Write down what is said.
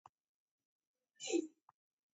Uhu ni Machocho. Neva mruna-mao.